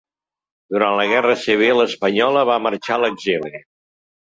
Durant la guerra civil espanyola va marxar a l'exili.